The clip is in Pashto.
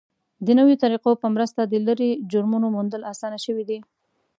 د نویو طریقو په مرسته د لرې جرمونو موندل اسانه شوي دي.